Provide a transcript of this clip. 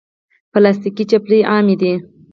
پلاستيکي چپلی عامې دي.